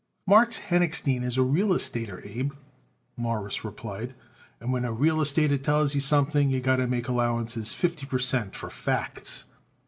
"Marks Henochstein is a real estater, Abe," Morris replied, "and when a real estater tells you something, you got to make allowances fifty per cent. for facts."